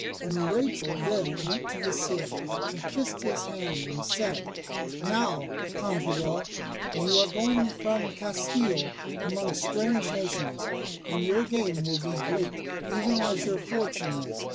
And Rachel then went to the Cid and kissed his hand and said, "Now, Campeador, you are going from Castille among strange nations, and your gain will be great, even as your fortune is.